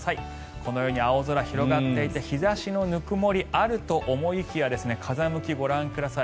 このように青空が広がっていて日差しのぬくもりがあると思いきや風向きご覧ください。